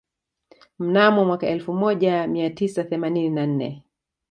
Mnamo mwaka elfu moja mia tisa themanini na nne